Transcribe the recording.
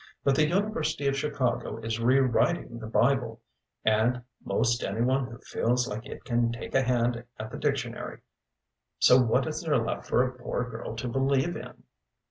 But the University of Chicago is re writing the Bible, and 'most any one who feels like it can take a hand at the dictionary, so what is there left for a poor girl to believe in?"